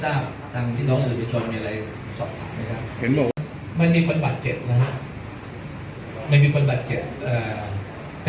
อยากให้ทำอะไรออกก็ว่าทำเนี่ยคุณบัตรเจ็บนะฮะ